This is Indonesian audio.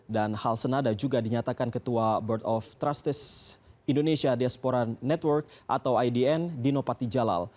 dan hal senada juga dinyatakan ketua board of trustees indonesia diaspora network atau idn dino patijalal